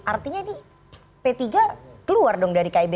artinya ini p tiga keluar dong dari kib